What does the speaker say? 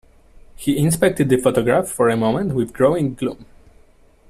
He inspected the photograph for a moment with growing gloom.